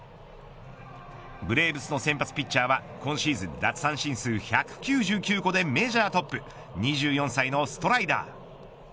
ブレーブスの先発ピッチャーは今シーズン奪三振数１９９個でメジャートップ２４歳のストライダー。